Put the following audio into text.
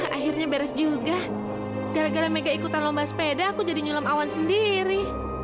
akhirnya beres juga gara gara mega ikutan lomba sepeda aku jadi nyulam awan sendiri